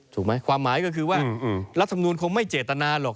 ถูกไหมความหมายก็คือว่ารัฐมนูลคงไม่เจตนาหรอก